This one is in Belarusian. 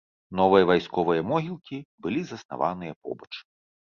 Новыя вайсковыя могілкі былі заснаваныя побач.